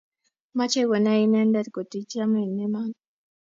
Mochei konai inendet ngot ii chame eng iman.